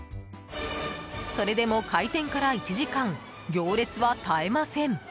それでも、開店から１時間行列は絶えません。